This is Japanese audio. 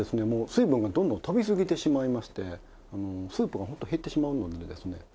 もう水分がどんどん飛びすぎてしまいましてスープがホント減ってしまうのでですね